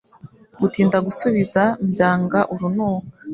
Gutinda gusubiza mbyanga urunuka